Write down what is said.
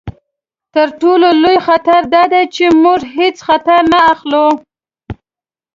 تر ټولو لوی خطر دا دی چې موږ هیڅ خطر نه اخلو.